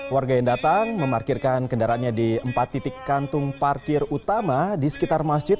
warga yang datang memarkirkan kendaraannya di empat titik kantung parkir utama di sekitar masjid